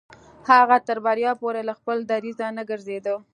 هغه تر بريا پورې له خپل دريځه نه ګرځېده.